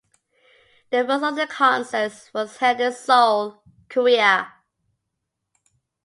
The first of the concerts was held in Seoul, Korea.